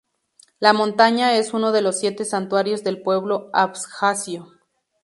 La montaña es uno de los Siete santuarios del pueblo abjasio.